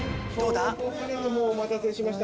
お待たせしました。